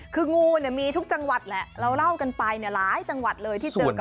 คืองูเนี่ยมีทุกจังหวัดแหละเราเล่ากันไปหลายจังหวัดเลยที่เจอกัน